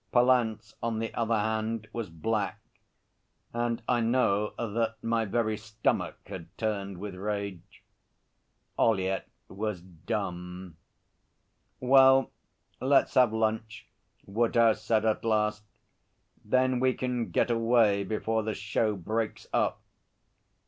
Pallant's, on the other hand, was black, and I know that my very stomach had turned with rage. Ollyett was dum. 'Well, let's have lunch,' Woodhouse said at last. 'Then we can get away before the show breaks up.'